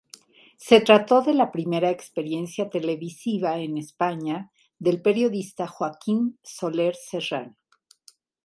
Se trató de la primera experiencia televisiva en España del periodista Joaquín Soler Serrano.